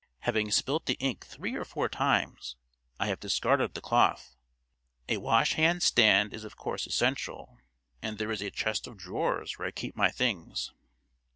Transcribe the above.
Having spilt the ink three or four times, I have discarded the cloth. A washhand stand is of course essential, and there is a chest of drawers where I keep my things."